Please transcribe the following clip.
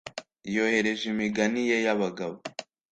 Yohereje imigani ye yabagabo